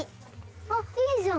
あっいいじゃん。